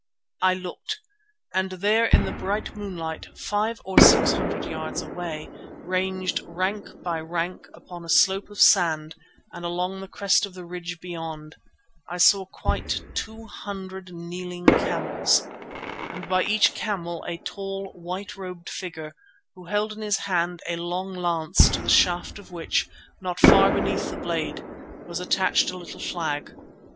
I looked, and there in the bright moonlight five or six hundred yards away, ranged rank by rank upon a slope of sand and along the crest of the ridge beyond, I saw quite two hundred kneeling camels, and by each camel a tall, white robed figure who held in his hand a long lance to the shaft of which, not far beneath the blade, was attached a little flag.